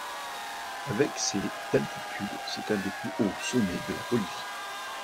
Avec ses d'altitude, c'est un des plus hauts sommets de la Bolivie.